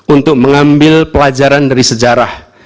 untuk mengambil pelajaran dari sejarah